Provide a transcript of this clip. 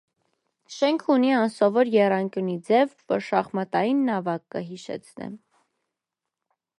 Շէնքը ունի անսովոր եռանկիւնի ձեւ, որ շախմատային նաւակ կը յիշեցնէ։